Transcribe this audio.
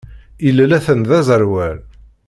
Ilel atan d aẓerwal.